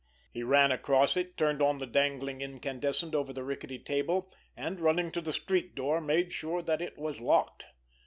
He ran across it, turned on the dangling incandescent over the rickety table, and running to the street door made sure that it was locked.